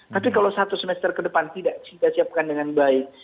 tapi kalau satu semester ke depan tidak kita siapkan dengan baik